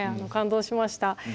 感動しました。